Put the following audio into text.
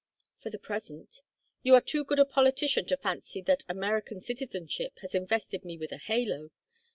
"For the present. You are too good a politician to fancy that American citizenship has invested me with a halo.